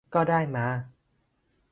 ก็ได้มา